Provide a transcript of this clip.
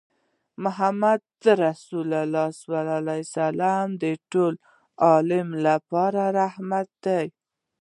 محمدُ رَّسول الله د ټول عالم لپاره رحمت دی